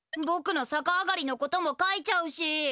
ぼくのさか上がりのことも書いちゃうし！